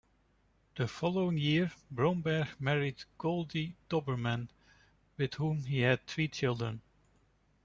The following year, Bromberg married Goldie Doberman, with whom he had three children.